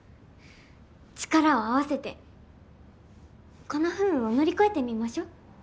力を合わせてこの不運を乗り越えてみましょう。